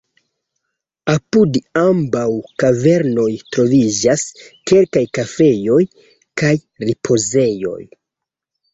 Apud ambaŭ kavernoj troviĝas kelkaj kafejoj kaj ripozejoj.